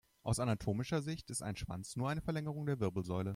Aus anatomischer Sicht ist ein Schwanz nur die Verlängerung der Wirbelsäule.